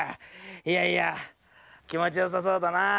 いやいやきもちよさそうだなぁ。